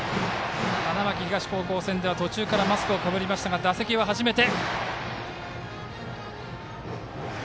花巻東高校戦では途中からマスクをかぶりましたが打席は初めて。